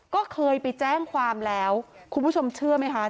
ก็เคยไปแจ้งความแล้วคุณผู้ชมเชื่อไหมคะ